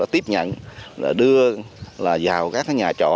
tiếp nhận đưa vào các nhà trọ